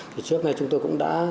trước này chúng tôi cũng đã